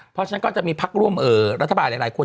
เพราะฉะนั้นก็จะมีพักร่วมรัฐบาลหลายคน